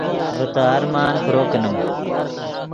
ڤے تے ارمان پرو کینیم